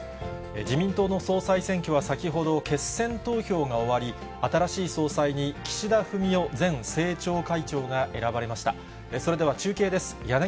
自民党の総裁選挙は先ほど、決選投票が終わり、新しい総裁に岸田文雄前政調会長が選ばれました。